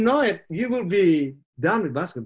kamu akan selesai dengan bola basket